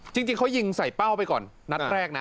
จริงเขายิงใส่เป้าไปก่อนนัดแรกนะ